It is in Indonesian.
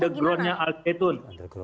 jadi underground nya al zaitun